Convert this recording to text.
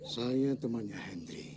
saya temannya henry